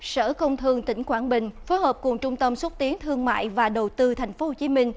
sở công thương tỉnh quảng bình phối hợp cùng trung tâm xuất tiến thương mại và đầu tư tp hcm